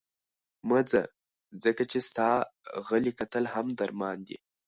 مه ځه، ځکه چې ستا غلي کتل هم درمان دی.